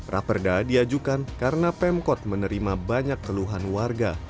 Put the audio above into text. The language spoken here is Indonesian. raperda diajukan karena pemkot menerima banyak keluhan warga